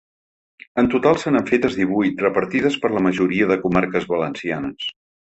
En total se n’han fetes divuit repartides per la majoria de comarques valencianes.